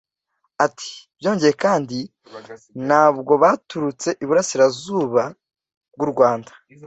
” ati: “byongeye kandi, ntabwo baturutse iburasira-zuba bw’u rwanda,